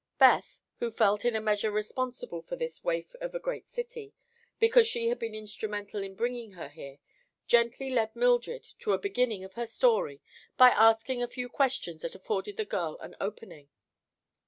Beth, who felt in a measure responsible for this waif of a great city, because she had been instrumental in bringing her here, gently led Mildred to a beginning of her story by asking a few questions that afforded the girl an opening.